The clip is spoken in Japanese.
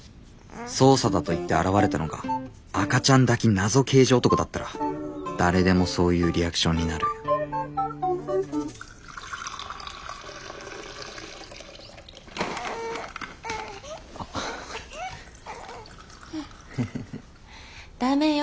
捜査だといって現れたのが赤ちゃん抱き謎刑事男だったら誰でもそういうリアクションになるダメよ